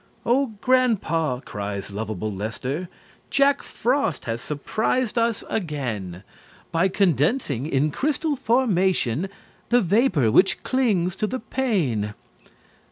"Oh Grandpa," cries lovable Lester, "Jack Frost has surprised us again, By condensing in crystal formation The vapor which clings to the pane!"